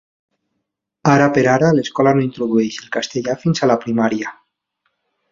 Ara per ara, l’escola no introdueix el castellà fins a la primària.